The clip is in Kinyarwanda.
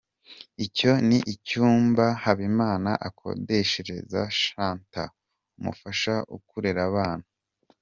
Icyo ni icyumba Habimana akodeshereza Chanta umufasha kurera abana.